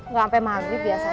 gak sampe maghrib biasanya